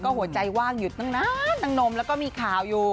ก็หัวใจว่างหยุดตั้งน้ำแล้วก็มีข่าวอยู่